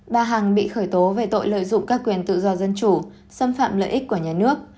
bà hằng bị khởi tố về tội lợi dụng các quyền tự do dân chủ xâm phạm lợi ích của nhà nước